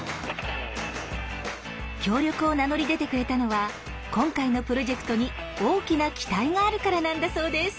協力を名乗り出てくれたのは今回のプロジェクトに大きな期待があるからなんだそうです。